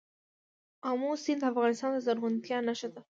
آمو سیند د افغانستان د زرغونتیا نښه ده.